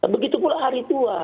begitu pula hari tua